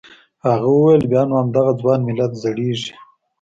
هغه وویل بیا نو همدغه ځوان ملت زړیږي.